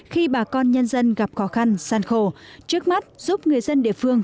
khi bà con nhân dân gặp khó khăn gian khổ trước mắt giúp người dân địa phương